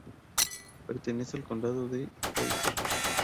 Pertenece al Condado de Fairfax.